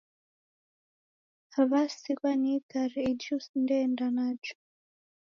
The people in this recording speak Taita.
Wasighwa ni igare iji usinde enda najo.